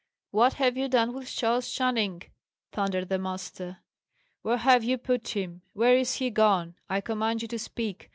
"What have you done with Charles Channing?" thundered the master. "Where have you put him? Where is he gone? I command you to speak!